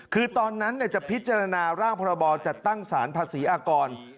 คือตอนนั้นจะพิจารณาร่างพรบจัดตั้งสารภาษีอากร